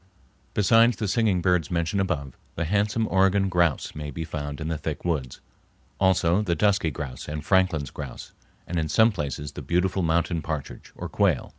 Besides the singing birds mentioned above, the handsome Oregon grouse may be found in the thick woods, also the dusky grouse and Franklin's grouse, and in some places the beautiful mountain partridge, or quail.